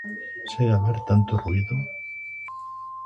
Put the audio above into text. Segue a haber tanto ruído?